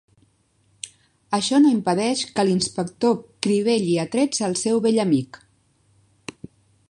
Això no impedeix que l'inspector crivelli a trets el seu vell amic.